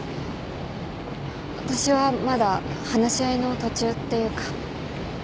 私はまだ話し合いの途中っていうか。